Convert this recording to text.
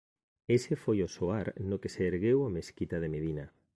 Ese foi o soar no que se ergueu a mesquita de Medina.